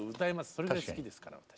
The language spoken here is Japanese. それぐらい好きですから私。